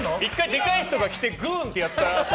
でかい人が着てグン！ってやった。